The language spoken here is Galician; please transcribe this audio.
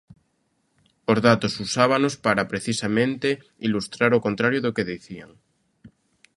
Os datos usábanos para precisamente ilustrar o contrario do que dicían.